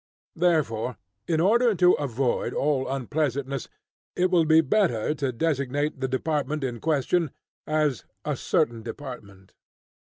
Therefore, in order to avoid all unpleasantness, it will be better to designate the department in question, as a certain department.